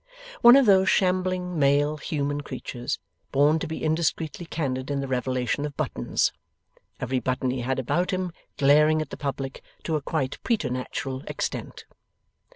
One of those shambling male human creatures, born to be indiscreetly candid in the revelation of buttons; every button he had about him glaring at the public to a quite preternatural extent.